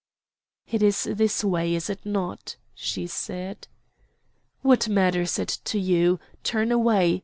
"It is this way, is it not?" she said. "What matters it to you? Turn away!